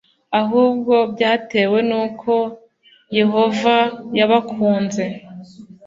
Ahubwo byatewe n’uko Yehova yabakunze,